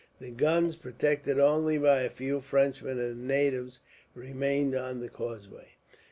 The guns, protected only by a few Frenchmen and natives, remained on the causeway.